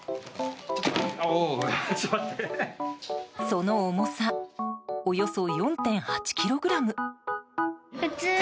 その重さ、およそ４．８ｋｇ。